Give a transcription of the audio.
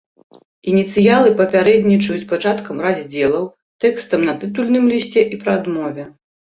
Ініцыялы папярэднічаюць пачаткам раздзелаў, тэкстам на тытульным лісце і прадмове.